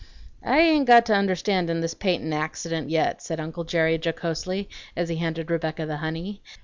"I ain't got to understandin' this paintin' accident yet," said uncle Jerry jocosely, as he handed Rebecca the honey.